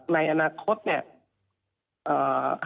ในอนาคตเนี่ย